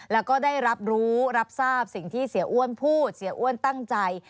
แล้วก็ได้รับรู้รับทราบสิ่งที่เสียอ้วนพูดเสียอ้วนตั้งใจ